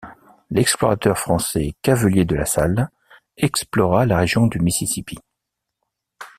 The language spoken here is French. L'explorateur français Cavelier de La Salle explora la région du Mississippi.